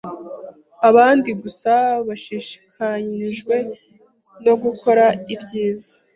Abandi gusa bashishikajwe no gukora ibyiza